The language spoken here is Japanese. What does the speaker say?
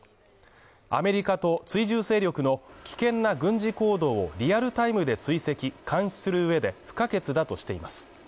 アメリカと追従勢力の危険な軍事行動をリアルタイムで追跡監視する上で不可欠だとしています。